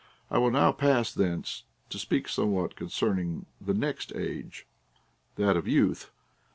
I will now pass thence, to speak somewhat concerning the next age, that of youth.